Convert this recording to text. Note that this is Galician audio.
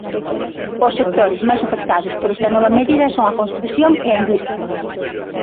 O sectores máis afectados por esta nova medida son a construción e a industria.